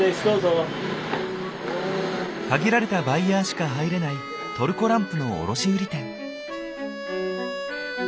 限られたバイヤーしか入れないトルコランプの卸売り店。